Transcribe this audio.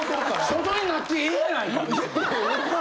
外になってええやないか。